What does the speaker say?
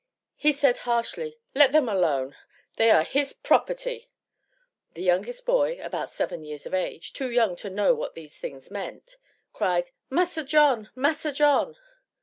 He said harshly, "Let them alone; they are his property!'" The youngest boy, about 7 years of age too young to know what these things meant cried "Massa John! Massa John!"